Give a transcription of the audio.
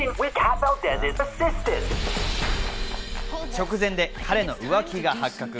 直前で彼の浮気が発覚。